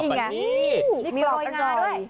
นี่ไงมีรอยงาด้วย